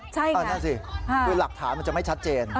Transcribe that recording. ใช่ไงนั่นสิด้วยหลักฐานมันจะไม่ชัดเจน